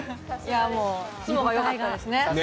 ツモがよかったですね。